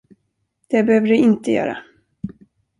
Det behöver du inte göra.